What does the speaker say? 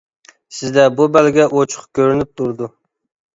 سىزدە بۇ بەلگە ئوچۇق كۆرۈنۈپ تۇرىدۇ.